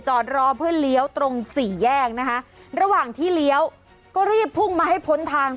รอเพื่อเลี้ยวตรงสี่แยกนะคะระหว่างที่เลี้ยวก็รีบพุ่งมาให้พ้นทาง